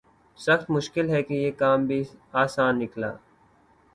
سخت مشکل ہے کہ یہ کام بھی آساں نکلا